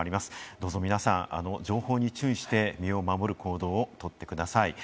どうぞ皆さん、情報に注意して身を守る行動をとってください。